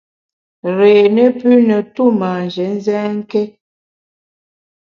Réé ne pü ne tu manjé nzènkét !